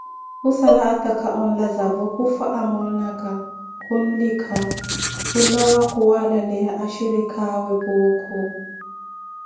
Khusala atakha onlazavo, khufwa amoonaka, khunlikha, khulawa khuwalaleya ashirikha awe Puukhu.